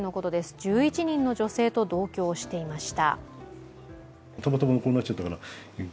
１１人の女性と同居をしていました。